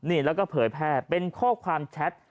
นี่แล้วก็เผยแพร่เป็นข้อความแชท